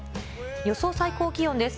予想最高気温です。